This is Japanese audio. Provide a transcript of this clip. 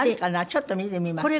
ちょっと見てみます？